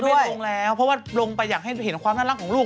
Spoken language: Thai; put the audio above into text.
ลงแล้วเพราะว่าลงไปอยากให้เห็นความน่ารักของลูก